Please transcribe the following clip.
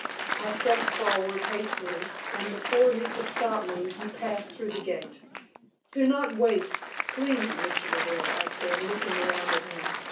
I stepped forward hastily, and before he could stop me, he passed through the gate. "Do not wait, please, Mr. Deville," I said, looking round at him.